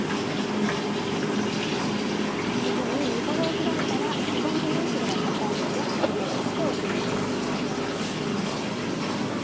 次に身ごろを開いたらすその縫い代はかたいので切り落としておきます。